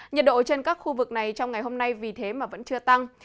nhiệt độ trên các khu vực này trong ngày hôm nay vì thế mà vẫn chưa tăng